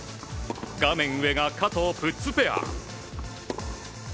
画面上が加藤、プッツペア。